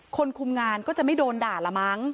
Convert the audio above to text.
คนคุมงานก็จะไม่โดนด่าล่ะมาก